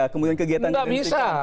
kemudian kegiatan identitikan